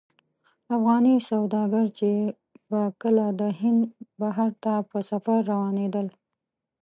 افغاني سوداګر چې به کله د هند بحر ته په سفر روانېدل.